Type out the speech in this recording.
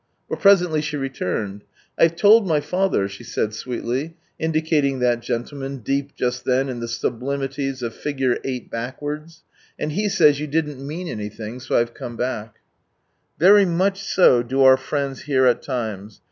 But presently she returned. " I've told my Father," she said sweetly, indi cating that gentleman, deep just then in the sublimities of Figure Eight Backwards, " and he says you didn't mean anything, so I've come back I " Verj' much so do our friends here at times.